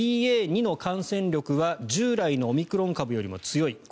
ＢＡ．２の感染力は従来のオミクロン株よりも強い。